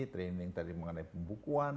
training tadi mengenai pembukuan